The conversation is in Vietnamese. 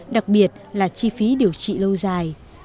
đặc biệt là chi phí điều trị lâu dài